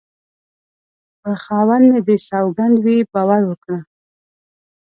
په خاوند مې دې سوگند وي باور وکړه